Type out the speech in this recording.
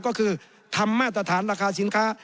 ก็คือทำมาตรฐานราคาสินค้า